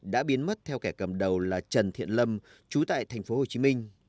đã biến mất theo kẻ cầm đầu là trần thiện lâm chú tại tp hcm